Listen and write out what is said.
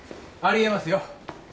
ありえますよ。